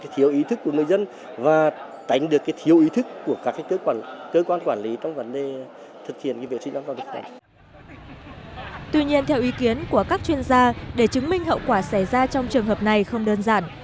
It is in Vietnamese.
tuy nhiên theo ý kiến của các chuyên gia để chứng minh hậu quả xảy ra trong trường hợp này không đơn giản